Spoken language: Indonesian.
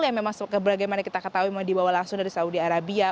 yang memang sebagaimana kita ketahui dibawa langsung dari saudi arabia